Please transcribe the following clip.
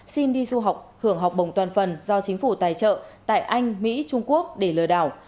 xin đi du học hưởng học bổng toàn phần do chính phủ tài trợ tại anh mỹ trung quốc để lừa đảo